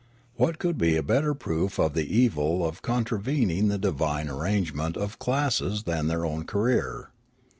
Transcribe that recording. What could be a better proof of the evil of contravening the divine arrange ment of classes than their own career